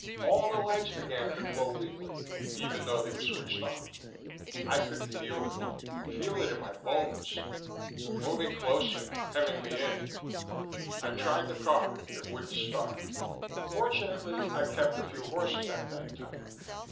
All the lights began to glow weakly, even though they were switched off. I could feel it feel it in my bones moving closer, hemming me in. I tried the car; it wouldn't start. Fortunately, I kept a few horses at that time.